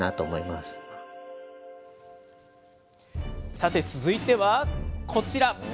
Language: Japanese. さて、続いてはこちら。